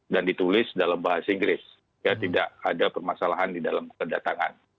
dan ditulis dalam bahasa inggris ya tidak ada permasalahan di dalam kedatangan